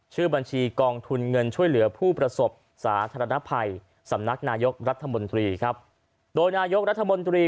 ชื่อบัญชีกองทุนเงินช่วยเหลือผู้ประสบสาธารณภัยสำนักนายกรัฐมนตรีครับโดยนายกรัฐมนตรี